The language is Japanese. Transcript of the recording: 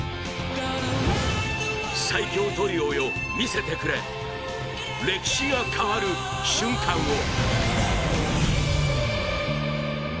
最強トリオよ、見せてくれ歴史が変わる瞬間を。